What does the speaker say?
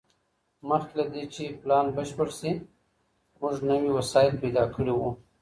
مخکي له دې چي پلان بشپړ سي موږ نوي وسايل پيدا کړي وو.